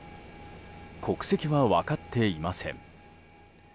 国籍は分かっていません。